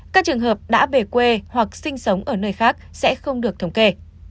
các trường hợp đã về quê hoặc sinh sống ở nơi khác sẽ không được thống kê